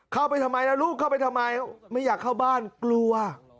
เข้าไปทำไมล่ะลูกเข้าไปทำไมไม่อยากเข้าบ้านกลัว